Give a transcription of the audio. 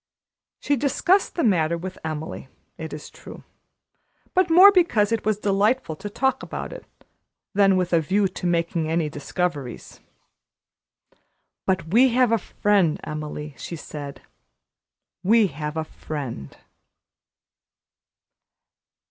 She discussed the matter with Emily, it is true, but more because it was delightful to talk about it than with a view to making any discoveries. "But we have a friend, Emily," she said; "we have a friend."